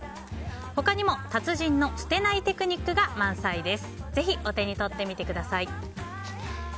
他にも達人の捨てないテクニックが満載です。